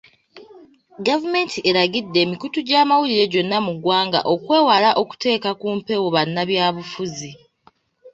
Gavumenti eragidde emikutu gy'amawulire gyonna mu ggwanga okwewala okuteeka ku mpewo bannabyabufuzi.